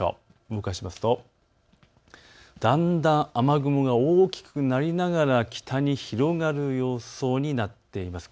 動かしてみると、だんだん雨雲が大きくなりながら北に広がる予想になっています。